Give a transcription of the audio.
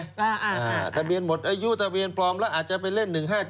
อ่าทะเบียนหมดอายุทะเบียนปลอมแล้วอาจจะไปเล่น๑๕๗